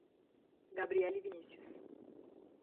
Gabriela e Vinícius